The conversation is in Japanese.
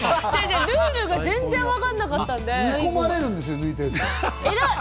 ルールが全然わかんなかったんで。